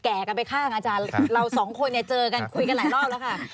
แก่กันไปข้างเราสองคนเจอกันคุยกันหลายรอบแล้วค่ะ